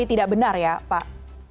tidak benar ya pak